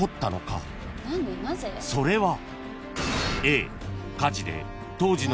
［それは］